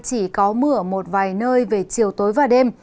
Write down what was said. chỉ có mưa ở một vài nơi về chiều tối và đêm